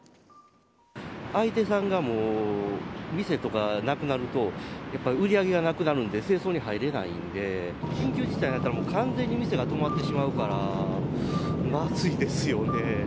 相手さんがもう、店とかなくなると、やっぱ売り上げがなくなるんで清掃に入れないんで、緊急事態になったら完全に店が止まってしまうから、まずいですよね。